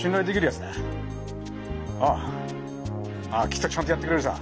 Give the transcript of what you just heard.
きっとちゃんとやってくれるさ。